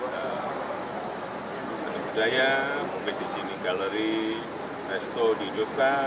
dan budaya mungkin di sini galeri resto di jogja